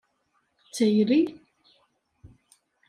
D tayri?